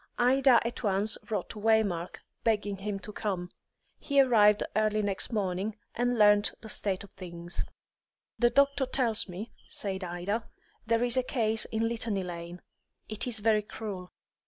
Ida at once wrote to Waymark, begging him to come; he arrived early next morning, and learnt the state of things. "The doctor tells me," said Ida, "there is a case in Litany Lane. It is very cruel.